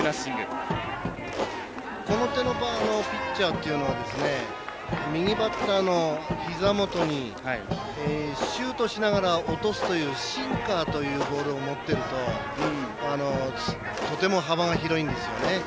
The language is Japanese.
この手の場合のピッチャーっていうのは右バッターの膝元にシュートしながら落とすというシンカーというボールを持ってるととても幅が広いんですよね。